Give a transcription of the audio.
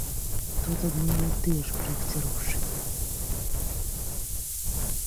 Тут адны і тыя ж праекціроўшчыкі.